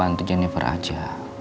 bantu jennifer aja